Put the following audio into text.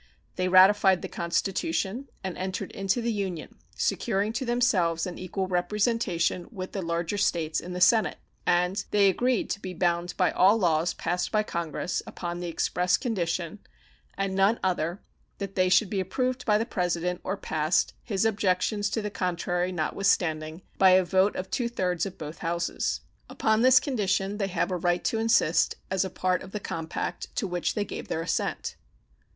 They ratified the Constitution and entered into the Union, securing to themselves an equal representation with the larger States in the Senate; and they agreed to be bound by all laws passed by Congress upon the express condition, and none other, that they should be approved by the President or passed, his objections to the contrary notwithstanding, by a vote of two thirds of both Houses. Upon this condition they have a right to insist as a part of the compact to which they gave their assent.